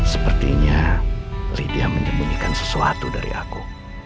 sepertinya lydia menyembunyikan sesuatu dari aku